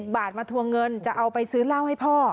บาทมาทวงเงินจะเอาไปซื้อเหล้าให้พ่อ